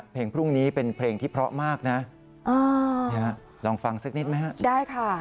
เพลงพรุ่งนี้เป็นเพลงที่เพราะมากนะลองฟังสักนิดไหมฮะได้ค่ะ